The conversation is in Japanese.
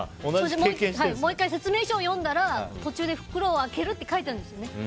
もう１回説明書読んだら途中で袋を開けるってあったんですね。